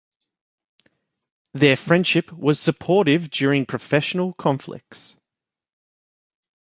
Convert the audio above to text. Their friendship was supportive during professional conflicts.